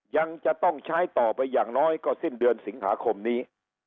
ยังจะต้องใช้ต่อไปอย่างน้อยก็สิ้นเดือนสิงหาคมนี้